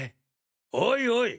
おいおい！